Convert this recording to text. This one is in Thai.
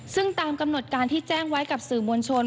ซึ่งตามกำหนดการที่แจ้งไว้กับสื่อมวลชน